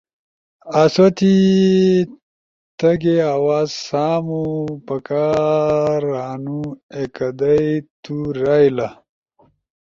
آسو تی تگھے آواز سامو پکارنو ای کدئی تُو رائیلا۔